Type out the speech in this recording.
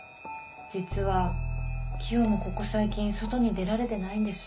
実はキヨもここ最近外に出られてないんです。